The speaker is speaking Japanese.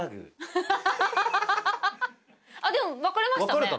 でも分かれましたね。